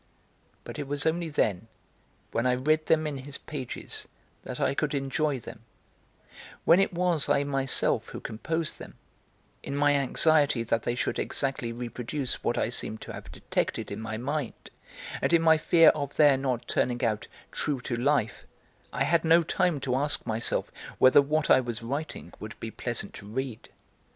But it was only then, when I read them in his pages, that I could enjoy them; when it was I myself who composed them, in my anxiety that they should exactly reproduce what I seemed to have detected in my mind, and in my fear of their not turning out 'true to life,' I had no time to ask myself whether what I was writing would be pleasant to read!